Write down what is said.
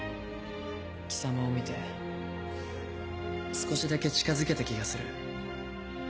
貴様を見て少しだけ近づけた気がする。